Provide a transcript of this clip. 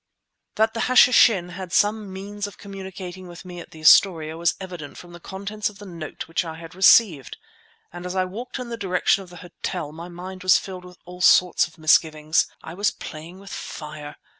That the Hashishin had some means of communicating with me at the Astoria was evident from the contents of the note which I had received, and as I walked in the direction of the hotel my mind was filled with all sorts of misgivings. I was playing with fire!